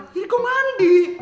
jadi kok mandi